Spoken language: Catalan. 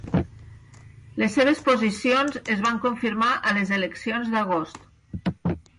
Les seves posicions es van confirmar a les eleccions d'agost.